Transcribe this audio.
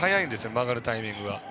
曲がるタイミングが。